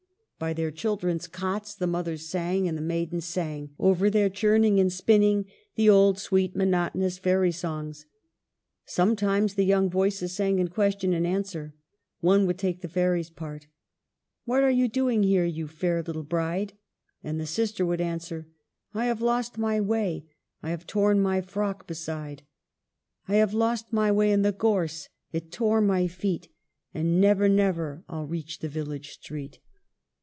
By their children's cots the mothers sang; and the maidens sang, over their churning and spinning, the old, sweet, monotonous fairy songs. Sometimes the young voices sang in question and answer. One would take the fairy's part, —" What are you doing here, you fair little bride ?" And the sister would answer, —" I have lost my way ; I have torn my frock beside. I have lost my way in the gorse ; it tore my feet, And never, never I '11 reach the village street."